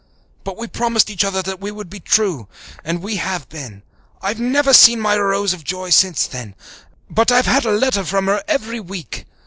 But we promised each other that we would be true, and we have been. I've never seen my Rose of joy since then, but I've had a letter from her every week.